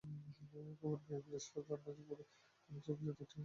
খবর পেয়ে পিরোজপুর ও নাজিরপুর ফায়ার সার্ভিসের দুটি ইউনিট ঘটনাস্থলে পৌঁছায়।